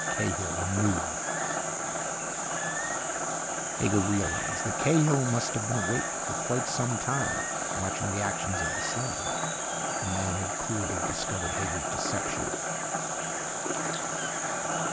Cahill ... knew. Hager realized that Cahill must have been awake for quite some time, watching the actions of the sled. The man had clearly discovered Hager's deception.